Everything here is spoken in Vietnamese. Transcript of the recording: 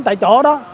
tại chỗ đó